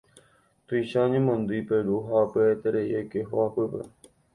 Tuicha oñemondýi Peru ha pya'eterei oike hogapýpe.